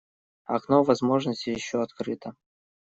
Окно возможности еще открыто.